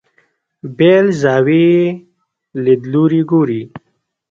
بېل زاویې لیدلوري ګوري.